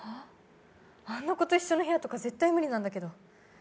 あの子と一緒の部屋とかって絶対無理なんだけど。